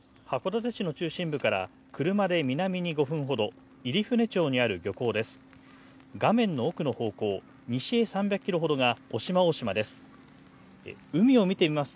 函館市の中心部から車で南に５分ほど入舟町にある漁港です。